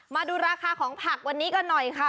มาดูราคาของผักวันนี้กันหน่อยค่ะ